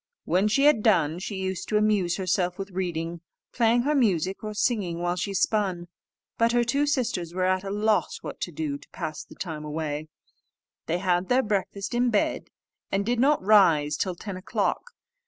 When she had done, she used to amuse herself with reading, playing her music, or singing while she spun. But her two sisters were at a loss what to do to pass the time away: they had their breakfast in bed, and did not rise till ten o'clock.